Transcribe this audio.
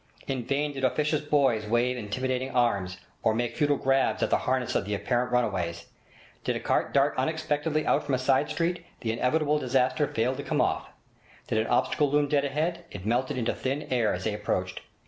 In vain did officious boys wave intimidating arms, or make futile grabs at the harness of the apparent runaways. Did a cart dart unexpectedly from out a side street, the inevitable disaster failed to come off. Did an obstacle loom dead ahead of them, it melted into thin air as they approached.